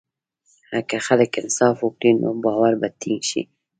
که خلک انصاف وکړي، نو باور به ټینګ شي.